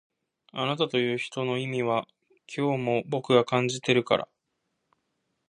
あなたという人の意味は今日も僕が感じてるから